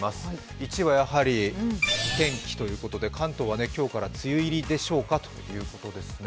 １位はやはり天気ということで、関東は今日から梅雨入りでしょうかということですよね。